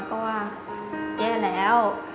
ก็ว่าแย่แล้ว